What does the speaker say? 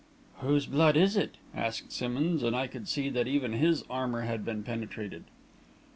"Whose blood is it?" asked Simmonds, and I could see that even his armour had been penetrated.